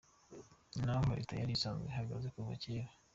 Ni na ho leta yari isanzwe ihagaze kuva kera.